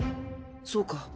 そうか。